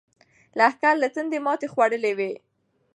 لښکر له تندې ماتې خوړلې ده.